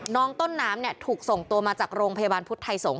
น้องต้นน้ำเนี่ยถูกส่งตัวมาจากโรงพยาบาลพุทธไทยสงศ